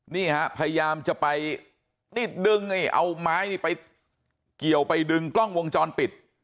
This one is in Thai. นี่ฮะพยายามจะไปนี่ดึงเอาไม้นี่ไปเกี่ยวไปดึงกล้องวงจรปิด